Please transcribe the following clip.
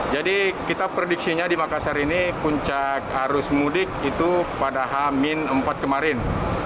jadi kita prediksinya di makassar ini puncak arus mudik itu pada h empat kemarin